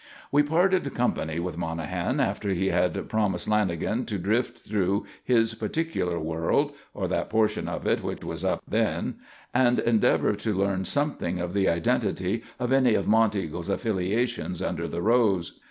We parted company with Monahan after he had promised Lanagan to drift through his particular world or that portion of it which was then up and endeavour to learn something of the identity of any of Monteagle's affiliations under the rose.